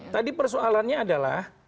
tadi persoalannya adalah